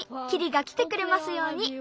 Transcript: キリがきてくれますように。